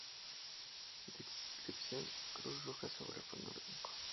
Descripción: Cruz Roja sobre fondo blanco.